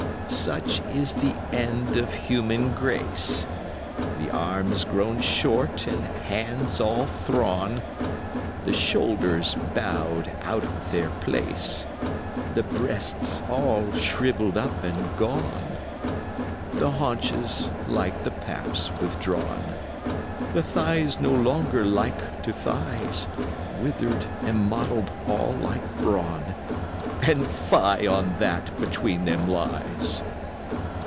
IX."Such is the end of human grace: 65 The arms grown short and hands all thrawn; The shoulders bowed out of their place; The breasts all shrivelled up and gone; The haunches like the paps withdrawn; The thighs no longer like to thighs, 70 Withered and mottled all like brawn, And fie on that between them lies!